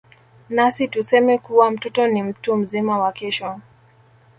Nasi tuseme kuwa mtoto ni mtu mzima wa Kesho.